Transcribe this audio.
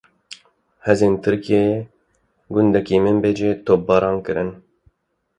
Hêzên Tirkiyeyê gundekî Minbicê topbaran kirin.